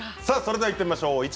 さあそれではいってみましょう。